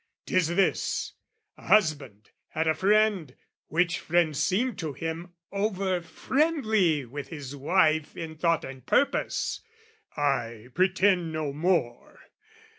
'Tis this: a husband had a friend, which friend Seemed to him over friendly with his wife In thought and purpose, I pretend no more.